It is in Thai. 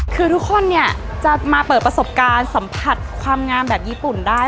คือทุกคนเนี่ยจะมาเปิดประสบการณ์สัมผัสความงามแบบญี่ปุ่นได้